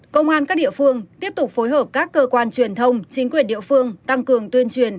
công an các địa phương tiếp tục phối hợp các cơ quan truyền thông chính quyền địa phương tăng cường tuyên truyền